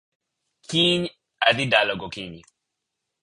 Kiny adhi dala gokinyi